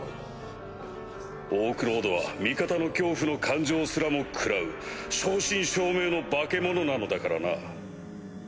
オークロードは味方の恐怖の感情すらも食らう正真正銘の化け物なのだからな。